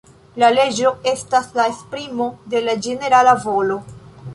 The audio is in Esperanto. La leĝo estas la esprimo de la ĝenerala volo.